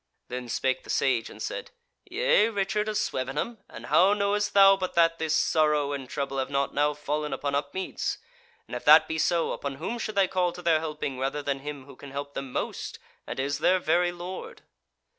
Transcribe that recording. Then spake the Sage, and said: "Yea, Richard of Swevenham, and how knowest thou but that this sorrow and trouble have not now fallen upon Upmeads? And if that be so, upon whom should they call to their helping rather than him who can help them most, and is their very lord?"